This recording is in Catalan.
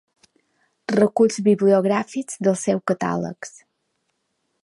Reculls bibliogràfics dels seus catàlegs.